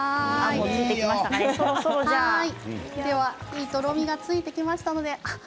いいとろみがついてきました。